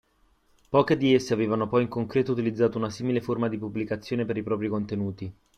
Poche di esse avevano poi in concreto utilizzato una simile forma di pubblicazione per i propri contenuti.